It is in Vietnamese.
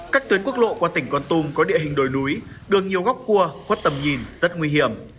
các tuyến quốc lộ qua tỉnh con tum có địa hình đồi núi đường nhiều góc cua khuất tầm nhìn rất nguy hiểm